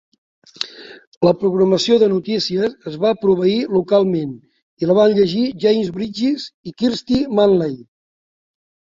La programació de Notícies es va proveir localment i la van llegir James Brydges i Kirsty Manley.